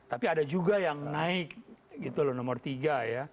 tapi ada juga yang naik gitu loh nomor tiga ya